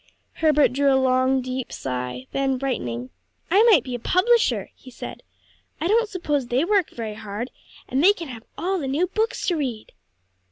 Herbert drew a long, deep sigh, then brightening, "I might be a publisher," he said. "I don't suppose they work very hard, and they can have all the new books to read."